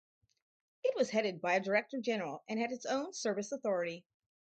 It was headed by a Director-General and had its own service authority.